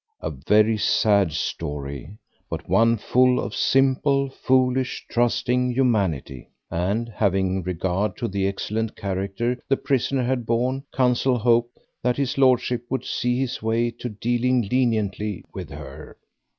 A very sad story, but one full of simple, foolish, trusting humanity, and, having regard to the excellent character the prisoner had borne, counsel hoped that his lordship would see his way to dealing leniently with her.